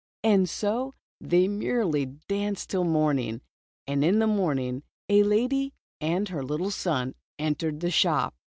And so they mer rily danced till morning. And in the morning, a lady and her little son entered the shop.